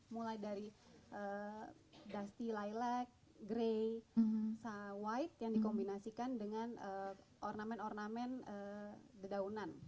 mulai dari dusty lilac grey white yang dikombinasikan dengan ornament ornament bedaunan